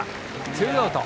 ツーアウト。